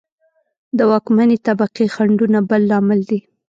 د واکمنې طبقې خنډونه بل لامل دی